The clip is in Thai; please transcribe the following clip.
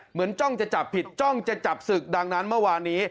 จ้องจะจับผิดจ้องจะจับศึกดังนั้นเมื่อวานนี้